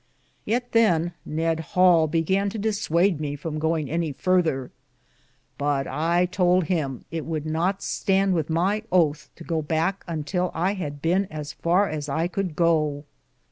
Yeat than Ned Hall began to diswade me from goinge any further ; but I tould him it would not stand with my othe to go backe untill I had bene as farr as I could go.